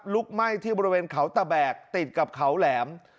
ไหม้ที่บริเวณเขาตะแบกติดกับเขาแหลม